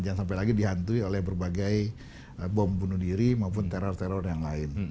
jangan sampai lagi dihantui oleh berbagai bom bunuh diri maupun teror teror yang lain